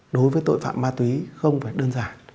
đối với tội phạm ma túy không phải đơn giản